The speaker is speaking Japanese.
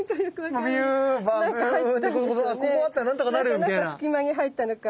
で中隙間に入ったのか。